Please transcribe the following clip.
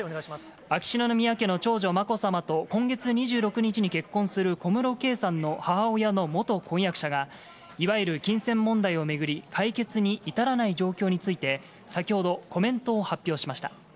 秋篠宮家長女、まこさまと今月２６日に結婚する小室圭さんの母親の元婚約者が、いわゆる金銭問題を巡り、解決に至らない状況について、先ほど、コメントを発表しました。